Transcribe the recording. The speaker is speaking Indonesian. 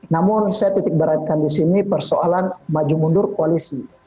namun saya titikberatkan disini persoalan maju mundur koalisi